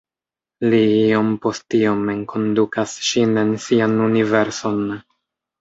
Li iom post iom enkondukas ŝin en sian universon.